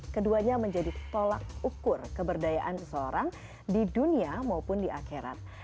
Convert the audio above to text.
keduanya menjadi tolak ukur keberdayaan seseorang di dunia maupun di akhirat